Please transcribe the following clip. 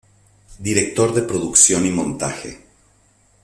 Director de producción y montaje.